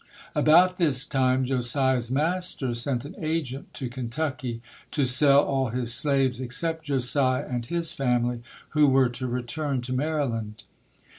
About this time Josiah's master sent an agent to Kentucky to sell all his slaves except Josiah and his family, who were to return to Maryland.